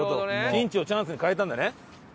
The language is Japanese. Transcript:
ピンチをチャンスに変えたんだね。